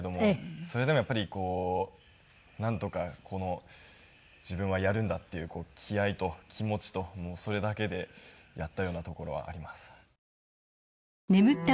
それでもやっぱりこうなんとか自分はやるんだっていう気合と気持ちとそれだけでやったようなところはあります。